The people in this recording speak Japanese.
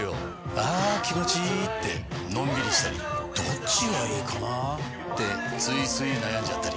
あ気持ちいいってのんびりしたりどっちがいいかなってついつい悩んじゃったり。